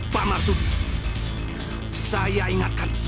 pak marsudi saya ingatkan